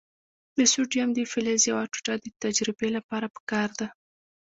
د سوډیم د فلز یوه ټوټه د تجربې لپاره پکار ده.